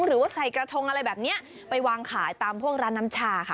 หรือว่าใส่กระทงอะไรแบบนี้ไปวางขายตามพวกร้านน้ำชาค่ะ